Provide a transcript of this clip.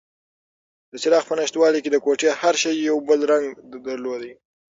د څراغ په نشتوالي کې د کوټې هر شی یو بل رنګ درلود.